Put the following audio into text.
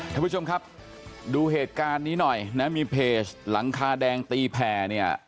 ท่านผู้ชมครับดูเหตุการณ์นี้หน่อยนะมีเพจหลังคาแดงตีแผ่เนี่ย